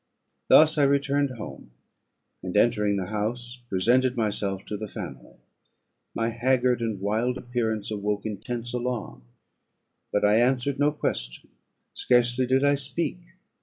Thus I returned home, and entering the house, presented myself to the family. My haggard and wild appearance awoke intense alarm; but I answered no question, scarcely did I speak.